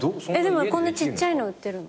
こんなちっちゃいの売ってるの。